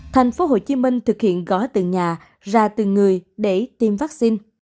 thành phố hồ chí minh thực hiện gó từng nhà ra từng người để tiêm vaccine